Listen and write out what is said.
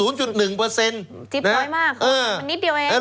มันนิดเดียวเอง